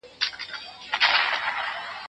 تاسي چا ته د پښتو د زده کړې لارښوونه وکړه؟